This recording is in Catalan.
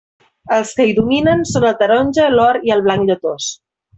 Els que hi dominen són el taronja, l'or i el blanc lletós.